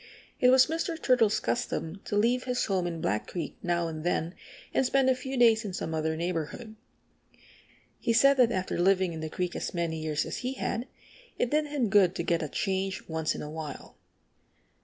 It was Mr. Turtle's custom to leave his home in Black Creek now and than and spend a few days in some other neighborhood. He said that after living in the creek as many years as he had it did him good to get a change once in a while.